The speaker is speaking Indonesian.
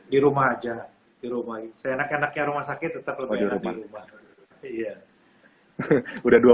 di rumah aja di rumah seenak enaknya rumah sakit tetap lebih di rumah rumah